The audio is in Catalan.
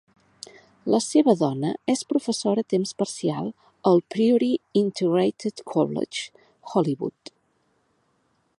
La seva dona és professora a temps parcial al Priory Integrated College, Holywood.